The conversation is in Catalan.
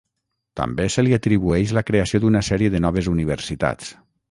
També se li atribueix la creació d'una sèrie de noves universitats.